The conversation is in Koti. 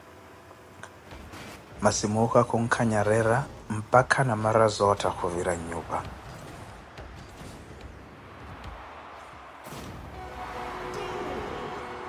Masi muukha khunkanyerera mpakha Namarazootha khuvira nnyupa.